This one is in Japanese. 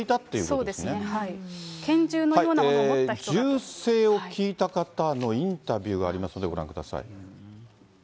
銃声を聞いた方のインタビューがありますので、ご覧ください。